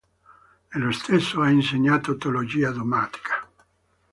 Nello stesso ha insegnato teologia dogmatica.